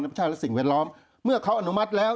ชาติและสิ่งแวดล้อมเมื่อเขาอนุมัติแล้ว